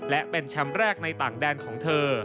และเป็นแชมป์แรกในต่างแดนของเธอ